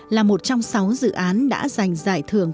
là một trong sáu dự án đã giành giải thưởng